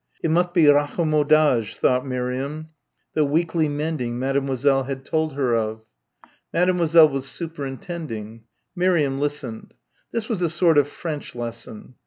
It must be raccommodage thought Miriam the weekly mending Mademoiselle had told her of. Mademoiselle was superintending. Miriam listened. This was a sort of French lesson.